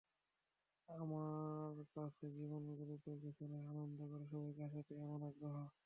আমার কাছে জীবন গুরুতর কিছু নয়, আনন্দ করে সবাইকে হাসাতেই আমার আগ্রহ।